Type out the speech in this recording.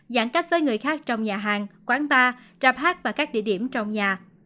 giãn cách với người khác trong nhà hàng quán bar rạp hát và các địa điểm trong nhà